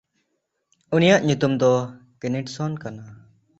ᱩᱱᱤᱭᱟᱜ ᱧᱩᱛᱩᱢ ᱫᱚ ᱠᱮᱱᱤᱥᱴᱚᱱ ᱠᱟᱱᱟ᱾